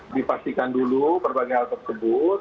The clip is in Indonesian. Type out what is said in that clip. dipastikan dulu berbagai hal tersebut